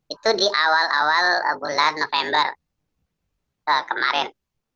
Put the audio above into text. itu di awal awal bulan november kemarin